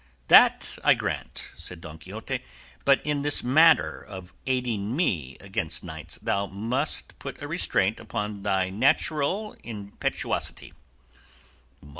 "That I grant," said Don Quixote, "but in this matter of aiding me against knights thou must put a restraint upon thy natural impetuosity."